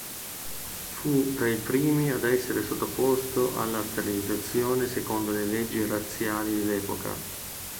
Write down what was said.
Fu tra i primi ad essere sottoposto alla sterilizzazione secondo le leggi razziali dell'epoca.